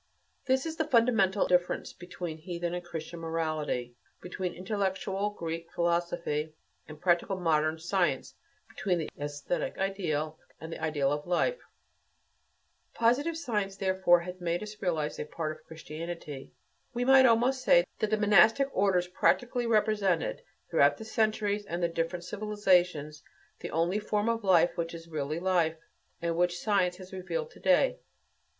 This is the fundamental difference between heathen and Christian morality; between intellectual Greek philosophy and practical modern science; between the æsthetic ideal and the ideal of "life." Positive science, therefore, has made us realize a part of Christianity. We might almost say that the monastic orders practically represented, throughout the centuries and the different civilizations, the only form of life which is really life that which science has revealed to day.